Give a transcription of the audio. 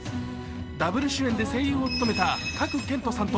ダブル主演で声優を務めた賀来賢人さんと